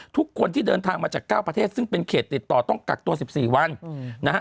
ทุกคนที่เดินทางมาจาก๙ประเทศซึ่งเป็นเขตติดต่อต้องกักตัว๑๔วันนะฮะ